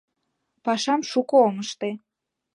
Пашам шуко ом ыште.